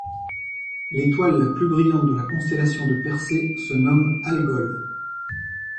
L’étoile la plus brillante de la constellation de Persée se nomme Algol.